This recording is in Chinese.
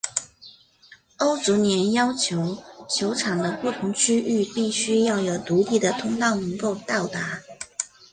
欧足联要求球场的不同区域必须要有独立的通道能够到达。